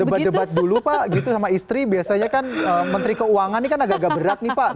debat debat dulu pak gitu sama istri biasanya kan menteri keuangan ini kan agak agak berat nih pak